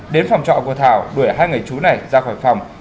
đến phòng trọ của thảo đuổi hai người chú này ra khỏi phòng